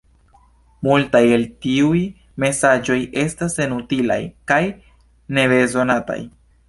Multaj el tiuj mesaĝoj estas senutilaj kaj nebezonataj.